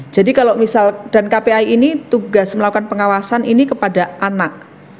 jadi kalau misal dan kpi ini tugas melakukan pengawasan ini kepada anak